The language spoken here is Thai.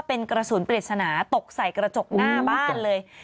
เป็นกระสุนปริศนาตกใส่กระจกหน้าบ้านเลย